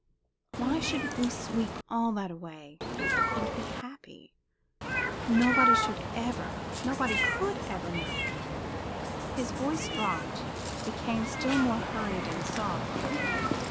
Why shouldn't we sweep all that away and be happy! Nobody should ever nobody could ever know." His voice dropped, became still more hurried and soft.